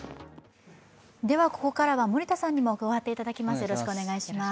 ここからは森田さんにも加わっていただきます。